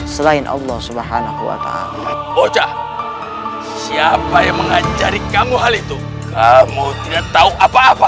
selain allah swt oja siapa yang mengajari kamu hal itu kamu tidak tahu apa apa